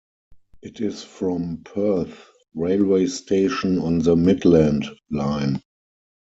It is from Perth railway station on the Midland Line.